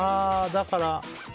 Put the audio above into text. だから。